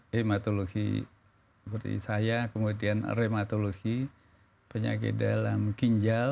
hematologi seperti saya kemudian rematologi penyakit dalam ginjal